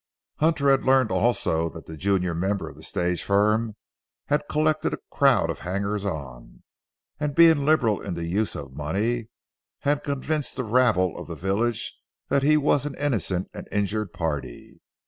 Hunter had learned also that the junior member of the stage firm had collected a crowd of hangers on, and being liberal in the use of money, had convinced the rabble of the village that he was an innocent and injured party.